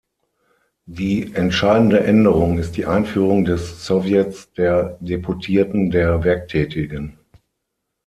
Die entscheidende Änderung ist die Einführung des Sowjets der Deputierten der Werktätigen.